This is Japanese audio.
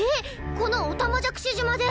このおたまじゃくし島で？